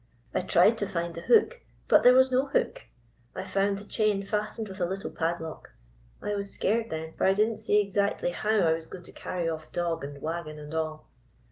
I tried to find the hook ; but there was no hook. I found the chain fastened with a little padlock. I was scared then ; for I did n't see exactly how I was going to carry off dog and wagon and all.